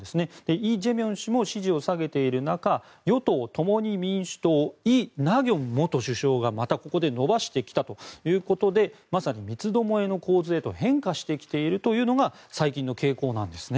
イ・ジェミョン氏も支持を下げている中与党・共に民主党、イ・ナギョン元首相がまたここで伸ばしてきたということでまさに三つ巴の構図へと変化してきているというのが最近の傾向なんです。